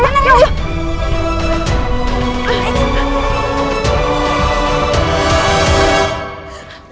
eh ya allah ya allah